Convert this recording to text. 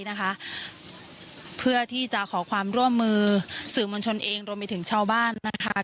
นะคะเพื่อที่จะขอความร่วมมือสื่อมวลชนเองรวมไปถึงชาวบ้านนะคะ